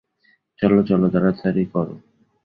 চলো, চলো, তাড়াতাড়ি করো।